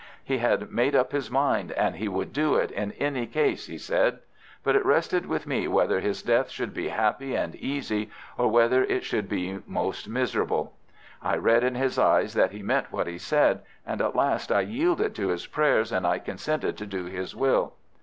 He had made up his mind, and he would do it in any case, he said; but it rested with me whether his death should be happy and easy or whether it should be most miserable. I read in his eyes that he meant what he said. And at last I yielded to his prayers, and I consented to do his will.